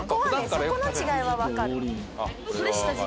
そこの違いはわかる。